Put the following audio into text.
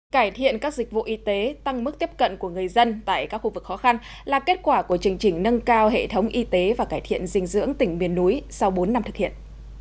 cải thiện các dịch vụ y tế tăng mức tiếp cận của người dân tại các khu vực khó khăn là kết quả của chương trình nâng cao hệ thống y tế và cải thiện dinh dưỡng tỉnh biển núi sau bốn năm thực hiện